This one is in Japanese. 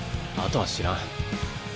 あとは知らん。